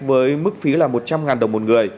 với mức phí là một trăm linh triệu đồng